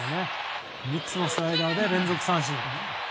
３つのスライダーで連続三振。